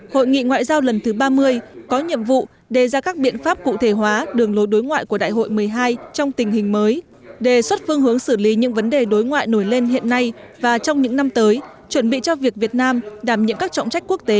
hội nghị ngoại giao lần thứ ba mươi có nhiệm vụ đề ra các biện pháp cụ thể hóa đường lối đối ngoại của đại hội một mươi hai trong tình hình mới đề xuất phương hướng xử lý những vấn đề đối ngoại nổi lên hiện nay và trong những năm tới chuẩn bị cho việc việt nam đảm nhiệm các trọng trách quốc tế